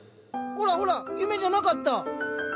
ほらほら夢じゃなかった！